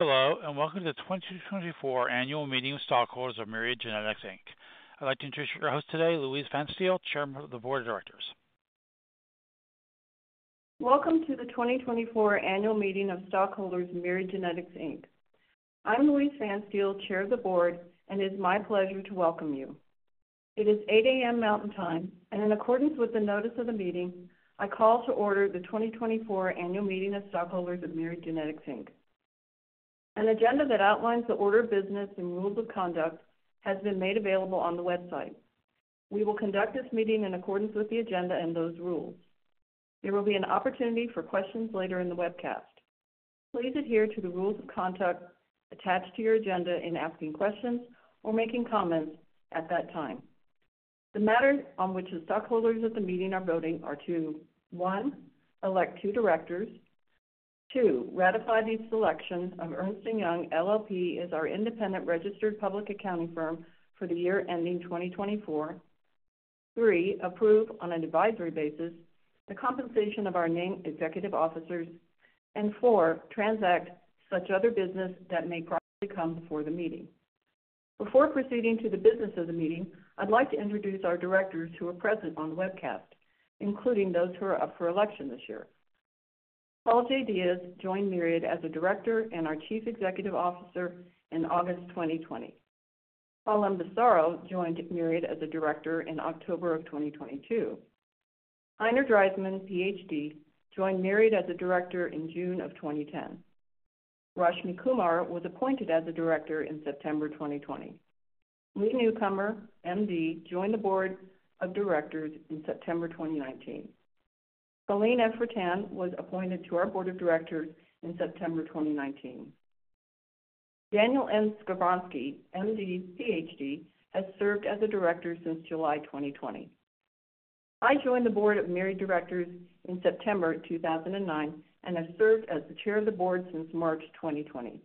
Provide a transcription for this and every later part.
Hello, and welcome to the 2024 Annual Meeting of Stockholders of Myriad Genetics Inc. I'd like to introduce your host today, S. Louise Phanstiel, Chairman of the Board of Directors. Welcome to the 2024 Annual Meeting of Stockholders of Myriad Genetics Inc. I'm S. Louise Phanstiel, Chair of the Board, and it is my pleasure to welcome you. It is 8:00 A.M. Mountain Time, and in accordance with the notice of the meeting, I call to order the 2024 Annual Meeting of Stockholders of Myriad Genetics Inc. An agenda that outlines the order of business and rules of conduct has been made available on the website. We will conduct this meeting in accordance with the agenda and those rules. There will be an opportunity for questions later in the webcast. Please adhere to the rules of conduct attached to your agenda in asking questions or making comments at that time. The matters on which the stockholders at the meeting are voting are to: one, elect two directors, two, ratify the selection of Ernst & Young LLP as our independent registered public accounting firm for the year ending 2024, three, approve on an advisory basis the compensation of our named executive officers, and four, transact such other business that may properly come before the meeting. Before proceeding to the business of the meeting, I'd like to introduce our directors who are present on the webcast, including those who are up for election this year. Paul J. Diaz joined Myriad as a director and our Chief Executive Officer in August 2020. Paul M. Bisaro joined Myriad as a director in October of 2022. Heiner Dreismann, Ph.D., joined Myriad as a director in June of 2010. Rashmi Kumar was appointed as a director in September 2020. Lee N. Newcomer, M.D., joined the board of directors in September 2019. Colleen F. Reitan was appointed to our board of directors in September 2019. Daniel M. Skovronsky, M.D., Ph.D., has served as a director since July 2020. I joined the board of Myriad directors in September 2009 and have served as the chair of the board since March 2020.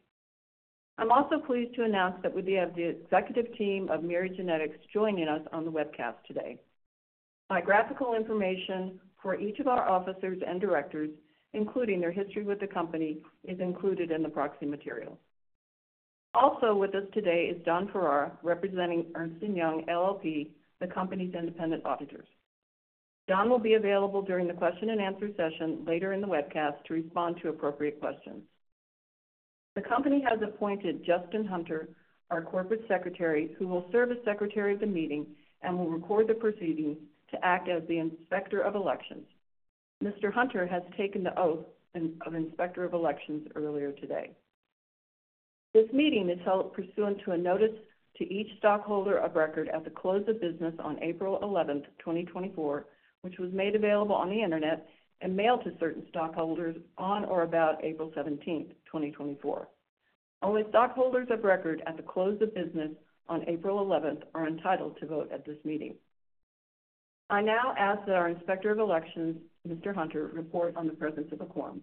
I'm also pleased to announce that we have the executive team of Myriad Genetics joining us on the webcast today. Biographical information for each of our officers and directors, including their history with the company, is included in the proxy material. Also with us today is Don Ferrera, representing Ernst & Young LLP, the company's independent auditors. Don will be available during the question and answer session later in the webcast to respond to appropriate questions. The company has appointed Justin Hunter, our corporate secretary, who will serve as secretary of the meeting and will record the proceedings to act as the inspector of elections. Mr. Hunter has taken the oath of inspector of elections earlier today. This meeting is held pursuant to a notice to each stockholder of record at the close of business on April 11, 2024, which was made available on the internet and mailed to certain stockholders on or about April 17, 2024. Only stockholders of record at the close of business on April 11 are entitled to vote at this meeting. I now ask that our inspector of elections, Mr. Hunter, report on the presence of a quorum.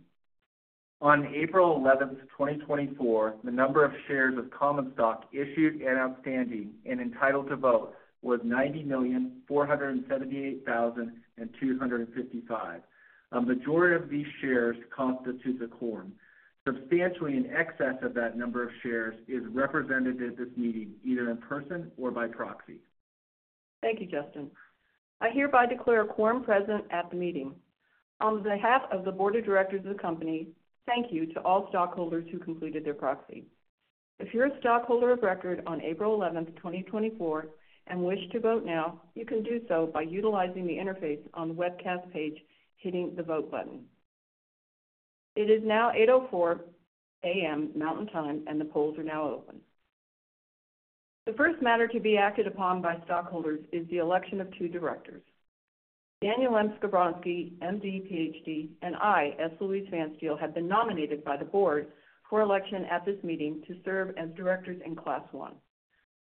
On April 11, 2024, the number of shares of common stock issued and outstanding and entitled to vote was 90,478,255. A majority of these shares constitute the quorum. Substantially in excess of that number of shares is represented at this meeting either in person or by proxy. Thank you, Justin. I hereby declare a quorum present at the meeting. On behalf of the board of directors of the company, thank you to all stockholders who completed their proxy. If you're a stockholder of record on April 11, 2024, and wish to vote now, you can do so by utilizing the interface on the webcast page, hitting the vote button. It is now 8:04 A.M. Mountain Time, and the polls are now open. The first matter to be acted upon by stockholders is the election of two directors. Daniel M. Skovronsky, M.D., Ph.D., and I, S. Louise Phanstiel, have been nominated by the board for election at this meeting to serve as directors in Class one.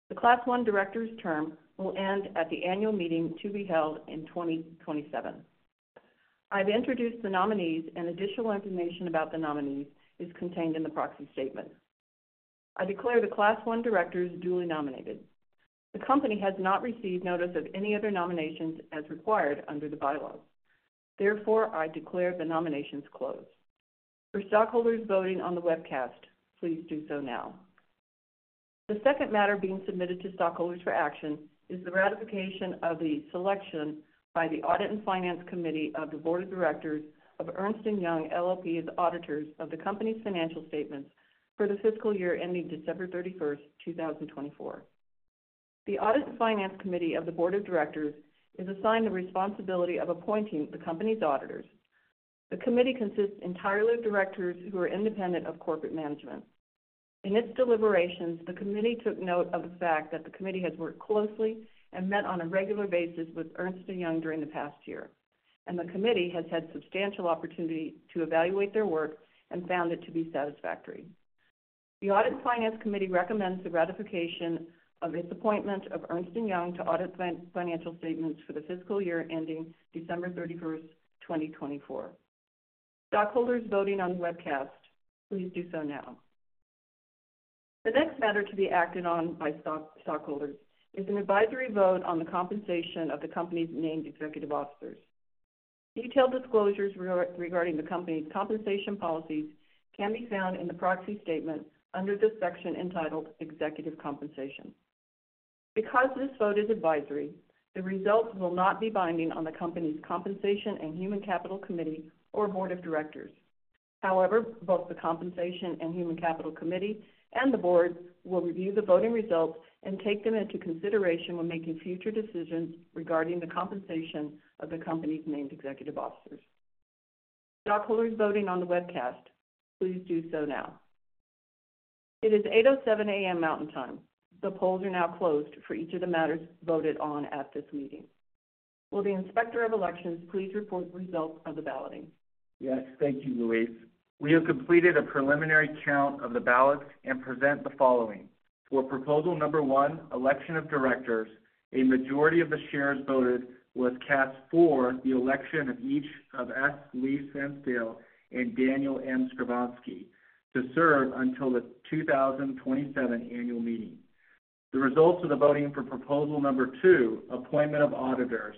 The Class 1 directors' term will end at the annual meeting to be held in 2027. I've introduced the nominees, and additional information about the nominees is contained in the proxy statement. I declare the Class 1 directors duly nominated. The company has not received notice of any other nominations as required under the bylaws. Therefore, I declare the nominations closed. For stockholders voting on the webcast, please do so now. The second matter being submitted to stockholders for action is the ratification of the selection by the audit and finance committee of the board of directors of Ernst & Young LLP as auditors of the company's financial statements for the fiscal year ending December 31, 2024. The audit and finance committee of the board of directors is assigned the responsibility of appointing the company's auditors. The committee consists entirely of directors who are independent of corporate management. In its deliberations, the committee took note of the fact that the committee has worked closely and met on a regular basis with Ernst & Young during the past year, and the committee has had substantial opportunity to evaluate their work and found it to be satisfactory. The Audit and Finance Committee recommends the ratification of its appointment of Ernst & Young to audit financial statements for the fiscal year ending December 31, 2024. Stockholders voting on the webcast, please do so now. The next matter to be acted on by stockholders is an advisory vote on the compensation of the company's named executive officers. Detailed disclosures regarding the company's compensation policies can be found in the proxy statement under this section entitled Executive Compensation. Because this vote is advisory, the results will not be binding on the company's Compensation and Human Capital Committee or Board of Directors. However, both the Compensation and Human Capital Committee and the board will review the voting results and take them into consideration when making future decisions regarding the compensation of the company's named executive officers. Stockholders voting on the webcast, please do so now. It is 8:07 A.M. Mountain Time. The polls are now closed for each of the matters voted on at this meeting. Will the inspector of elections please report the results of the balloting? Yes. Thank you, Louise. We have completed a preliminary count of the ballots and present the following. For proposal number one, election of directors, a majority of the shares voted was cast for the election of each of S. Louise Phanstiel and Daniel M. Skovronsky to serve until the 2027 annual meeting. The results of the voting for proposal number two, appointment of auditors,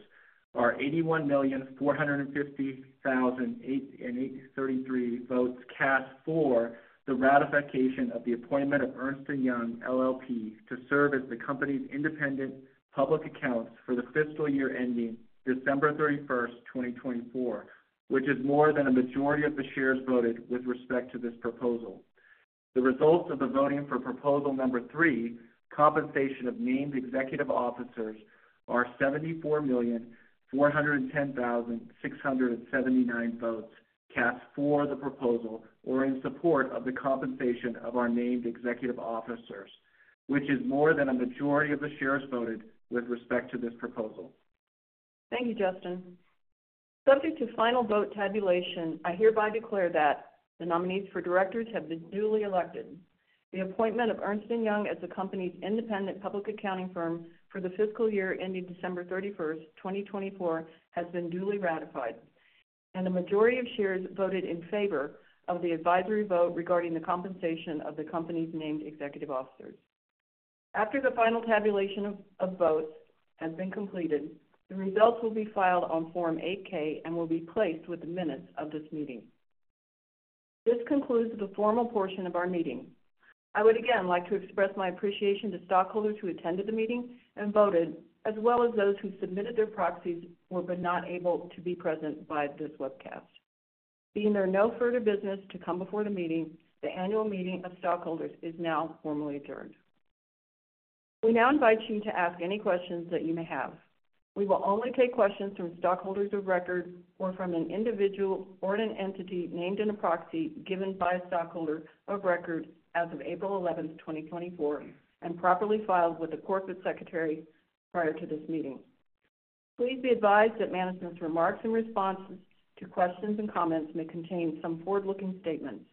are 81,450,833 votes cast for the ratification of the appointment of Ernst & Young LLP to serve as the company's independent public accountants for the fiscal year ending December 31, 2024, which is more than a majority of the shares voted with respect to this proposal. The results of the voting for proposal number three, compensation of named executive officers, are 74,410,679 votes cast for the proposal or in support of the compensation of our named executive officers, which is more than a majority of the shares voted with respect to this proposal. Thank you, Justin. Subject to final vote tabulation, I hereby declare that the nominees for directors have been duly elected. The appointment of Ernst & Young as the company's independent public accounting firm for the fiscal year ending December 31, 2024, has been duly ratified, and the majority of shares voted in favor of the advisory vote regarding the compensation of the company's named executive officers. After the final tabulation of votes has been completed, the results will be filed on Form 8-K and will be placed with the minutes of this meeting. This concludes the formal portion of our meeting. I would again like to express my appreciation to stockholders who attended the meeting and voted, as well as those who submitted their proxies or were not able to be present by this webcast. There being no further business to come before the meeting, the annual meeting of stockholders is now formally adjourned. We now invite you to ask any questions that you may have. We will only take questions from stockholders of record or from an individual or an entity named in a proxy given by a stockholder of record as of April 11, 2024, and properly filed with the corporate secretary prior to this meeting. Please be advised that management's remarks and responses to questions and comments may contain some forward-looking statements.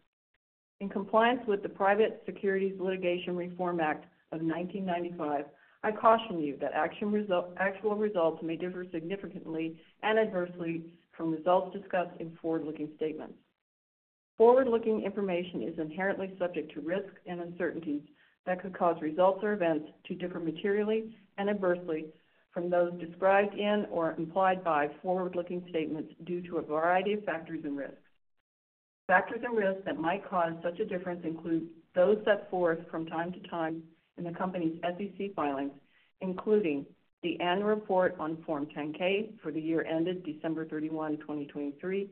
In compliance with the Private Securities Litigation Reform Act of 1995, I caution you that actual results may differ significantly and adversely from results discussed in forward-looking statements. Forward-looking information is inherently subject to risks and uncertainties that could cause results or events to differ materially and adversely from those described in or implied by forward-looking statements due to a variety of factors and risks. Factors and risks that might cause such a difference include those set forth from time to time in the company's SEC filings, including the annual report on Form 10-K for the year ended December 31, 2023,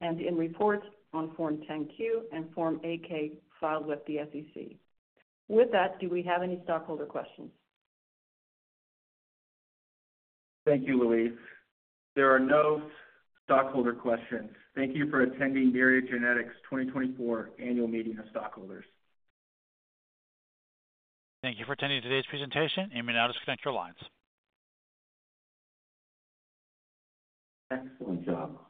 and the reports on Form 10-Q and Form 8-K filed with the SEC. With that, do we have any stockholder questions? Thank you, Louise. There are no stockholder questions. Thank you for attending Myriad Genetics' 2024 Annual Meeting of Stockholders. Thank you for attending today's presentation. Anyone, now disconnect your lines. Excellent job.